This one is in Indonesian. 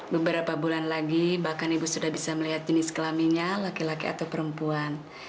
beberapa bulan lagi bahkan ibu sudah bisa melihat jenis kelaminnya laki laki atau perempuan